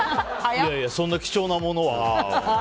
そんな貴重なものは。